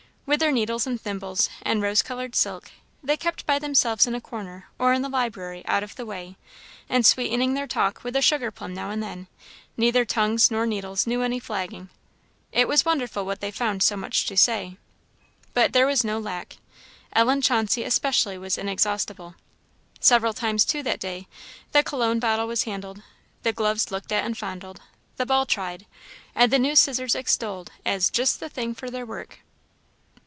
With their needles and thimbles, and rose coloured silk, they kept by themselves in a corner, or in the library, out of the way; and sweetening their talk with a sugar plum now and then, neither tongues nor needles knew any flagging. It was wonderful what they found so much to say, but there was no lack. Ellen Chauncey especially was inexhaustible. Several times, too, that day, the Cologne bottle was handled, the gloves looked at and fondled, the ball tried, and the new scissors extolled as "just the thing for their work."